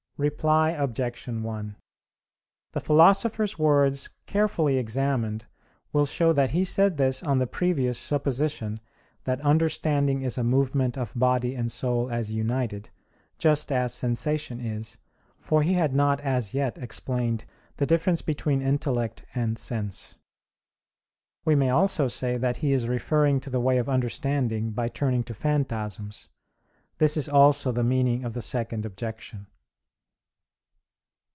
Reply Obj. 1: The Philosopher's words carefully examined will show that he said this on the previous supposition that understanding is a movement of body and soul as united, just as sensation is, for he had not as yet explained the difference between intellect and sense. We may also say that he is referring to the way of understanding by turning to phantasms. This is also the meaning of the second objection.